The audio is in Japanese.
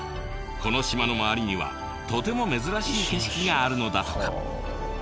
この島の周りにはとても珍しい景色があるのだとか。